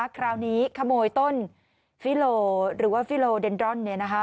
คราวนี้ขโมยต้นฟิโลหรือว่าฟิโลเดนดรอน